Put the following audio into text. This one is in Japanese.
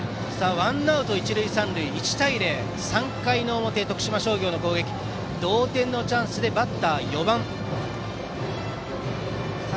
ワンアウト、一塁三塁で１対０、３回表の徳島商業の攻撃同点のチャンスでバッターは４番の吉田。